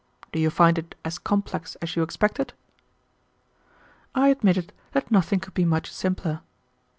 Do you find it as complex as you expected?" I admitted that nothing could be much simpler.